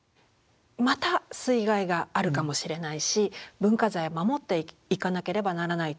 また水害があるかもしれないし文化財守っていかなければならない。